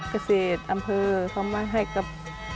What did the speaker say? เกษตรอำเภอเขามาให้กับ